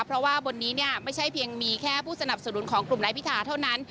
เพราะว่าบนนี้เนี่ยไม่ใช่เพียงมีแค่ผู้สนับสนุนของกลุ่มนายพิธาเท่านั้น